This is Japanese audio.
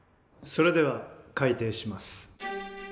それでは開廷します。